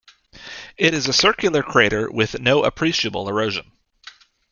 It is a circular crater with no appreciable erosion.